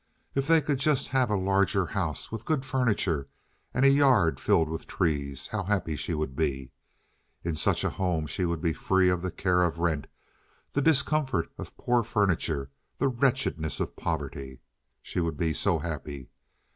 If they could just have a larger house, with good furniture and a yard filled with trees, how happy she would be. In such a home she would be free of the care of rent, the discomfort of poor furniture, the wretchedness of poverty; she would be so happy.